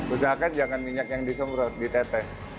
usahakan jangan minyak yang disemprot ditetes